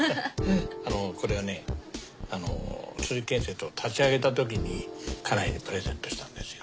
あのこれはねあの鈴木建設を立ち上げたときに家内にプレゼントしたんですよ。